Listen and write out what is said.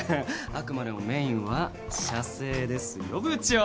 あくまでもメインは写生ですよ部長。